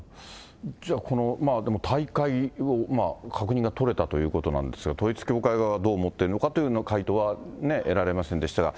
じゃあこの、でも退会の確認が取れたということなんですが、統一教会側はどう思っているのかという回答は得られませんでしたが。